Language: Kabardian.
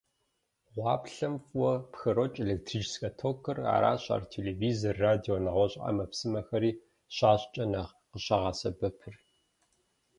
Гъуаплъэм фӀыуэ пхрокӀ электрическэ токыр, аращ ар телевизор, радио, нэгъуэщӀ Ӏэмэпсымэхэри щащӀкӀэ нэхъ къыщӀагъэсэбэпыр.